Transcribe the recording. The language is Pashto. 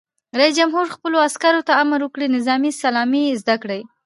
رئیس جمهور خپلو عسکرو ته امر وکړ؛ نظامي سلامي زده کړئ!